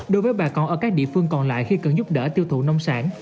đối với bà con ở các địa phương còn lại khi cần giúp đỡ tiêu thụ nông sản